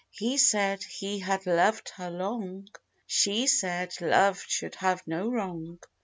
He said, he had loved her long: She said, love should have no wrong.